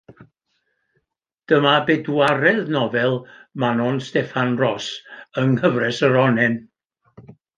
Dyma bedwaredd nofel Manon Steffan Ros yng nghyfres yr Onnen.